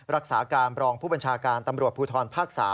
รักษาการรองผู้บัญชาการตำรวจภูทรภาค๓